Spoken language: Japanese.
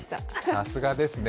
さすがですね。